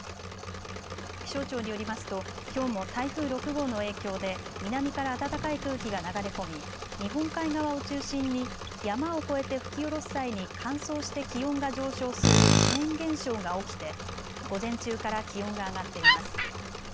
気象庁によりますときょうも台風６号の影響で南から暖かい空気が流れ込み日本海側を中心に山を越えて吹き降ろす際に乾燥して気温が上昇するフェーン現象が起きて午前中から気温が上がっています。